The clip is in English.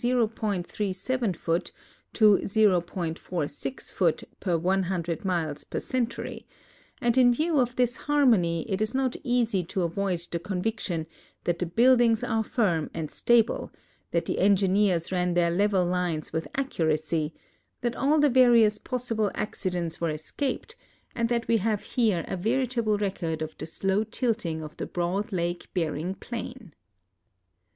87 foot to 0.4() foot per 100 miles per century ; and in view of this harmony it is not easy to avoid the conviction that the buildings are firm and stable, that the engineers ran their level lines with accuracv, that all the various possible accidents were escaped, and that we have here a veritable record of the slow tilting of the broad lake bear ing plain.